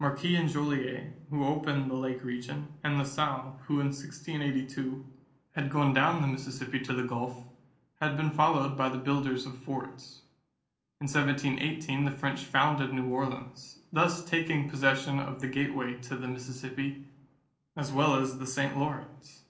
Marquette and Joliet, who opened the Lake region, and La Salle, who in 1682 had gone down the Mississippi to the Gulf, had been followed by the builders of forts. In 1718, the French founded New Orleans, thus taking possession of the gateway to the Mississippi as well as the St. Lawrence.